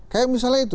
kayak misalnya itu